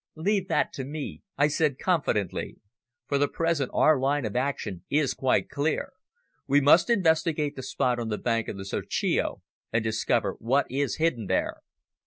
"Leave that to me," I said confidently. "For the present our line of action is quite clear. We must investigate the spot on the bank of the Serchio and discover what is hidden there."